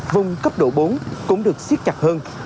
vùng cấp độ bốn cũng được siết chặt hơn